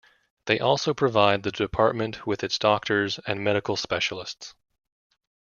They also provide the Department with its doctors and medical specialists.